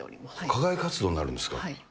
課外活動になるんですか？